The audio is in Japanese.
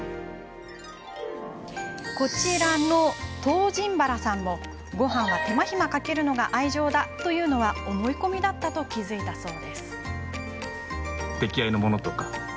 こちらの唐仁原さんもごはんは手間暇かけるのが愛情だというのは思い込みだったと気付いたそう。